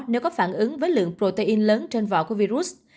nếu có phản ứng với lượng protein lớn trên vỏ của virus